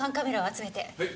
はい。